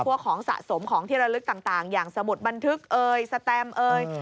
พวกของสะสมของที่ระลึกต่างอย่างสมุดบันทึกเอ่ยสแตมเอย